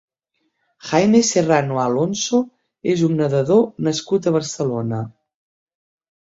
Jaime Serrano Alonso és un nedador nascut a Barcelona.